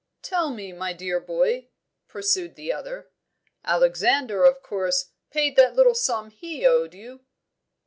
"Tell me, my dear boy," pursued the other. "Alexander of course paid that little sum he owed you?"